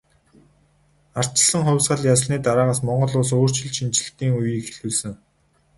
Ардчилсан хувьсгал ялсны дараагаас Монгол улс өөрчлөлт шинэчлэлтийн үеийг эхлүүлсэн.